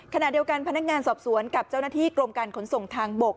ขณะเดียวกันพนักงานสอบสวนกับเจ้าหน้าที่กรมการขนส่งทางบก